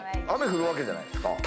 雨降るわけじゃないですか。